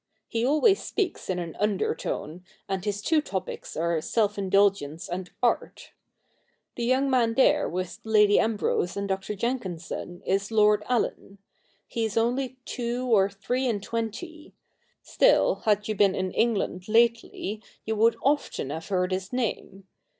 He always speaks in an undertone, and his two topics are self indulgence and art. The young man there with Lady Ambrose and Dr. Jenkinson, is Lord Allen. He is only two or three and twenty ; still, had you been in England lately, you would often have heard his name.